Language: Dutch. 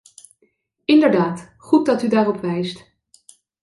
Inderdaad, goed dat u daarop wijst.